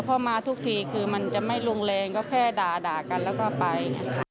พอมาทุกทีคือมันจะไม่ลงแรงก็แค่ด่ากันแล้วก็ไป